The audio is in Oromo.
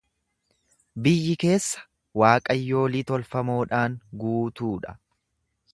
Biyyi keessa waaqayyolii tolfamoodhaan guutuu dha.